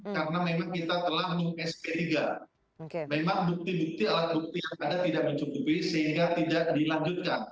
karena memang kita telah mengungkai sp tiga memang bukti bukti alat bukti yang ada tidak mencukupi sehingga tidak dilanjutkan